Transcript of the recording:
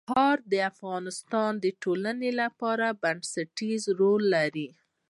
ننګرهار د افغانستان د ټولنې لپاره بنسټيز رول لري.